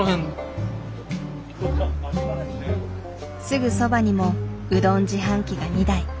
すぐそばにもうどん自販機が２台。